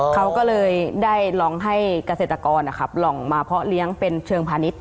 เขาก็เลยได้ลองให้เกษตรกรลองมาเพาะเลี้ยงเป็นเชิงพาณิชย